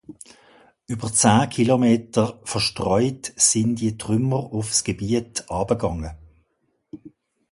Über zehn Kilometer verstreut waren diese Trümmer auf das Gebiet niedergegangen.